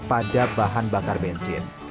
pada bahan bakar bensin